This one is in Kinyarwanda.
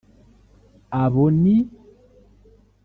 Abo ni